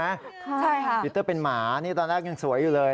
ใช่ค่ะปีเตอร์เป็นหมานี่ตอนแรกยังสวยอยู่เลย